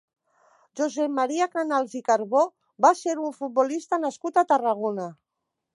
Josep Maria Canals i Carbó va ser un futbolista nascut a Tarragona.